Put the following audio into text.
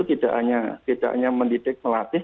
tidak hanya mendidik melatih